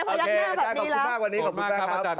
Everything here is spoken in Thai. โอเคได้ขอบคุณมากว่านี้ขอบคุณมากครับอาจารย์กัน